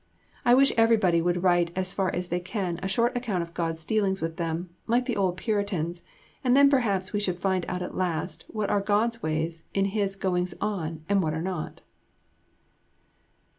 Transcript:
I wish everybody would write as far as they can A Short Account of God's Dealings with them, like the old Puritans, and then perhaps we should find out at last what are God's ways in His goings on and what are not.